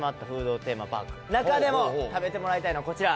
中でも食べてもらいたいのはこちら。